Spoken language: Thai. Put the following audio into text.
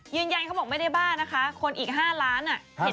ยืนยันเขาบอกไม่ได้บ้านะคะคนอีก๕ล้าน